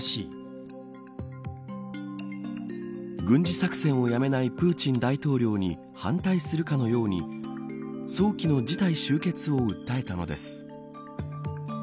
軍事作戦をやめないプーチン大統領に反対するかのように早期の事態終結を訴えたのです。